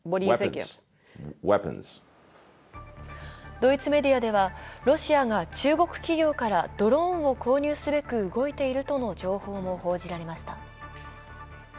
ドイツメディアでは、ロシアが中国企業からドローンを購入すべく動いているとの情報も報じられました。